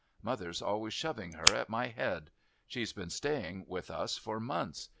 Mother's always shoving her at my head. She's been staying with us for months.